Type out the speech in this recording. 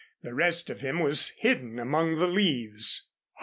The rest of him was hidden among the leaves.